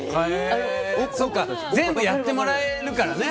全部やってもらえるからね。